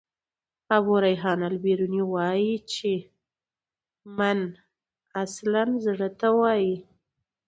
ابو ریحان البروني وايي چي: "من" اصلاً زړه ته وايي.